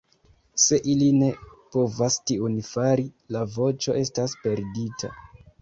Se ili ne povas tiun fari, la voĉo estas perdita.